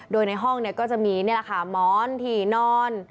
โดยในห้องก็จะมีนี่แหละค่ะหมอนถี่นอน